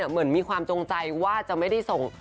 เหมือนมีความจงใจว่าจะไม่ได้ส่ง